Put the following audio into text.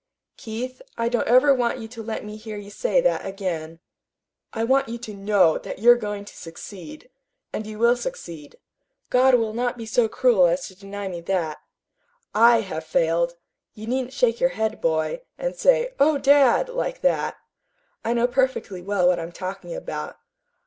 "Keith, I don't ever want you to let me hear you say that again. I want you to KNOW that you're going to succeed. And you will succeed. God will not be so cruel as to deny me that. I have failed. You needn't shake your head, boy, and say 'Oh, dad!' like that. I know perfectly well what I'm talking about.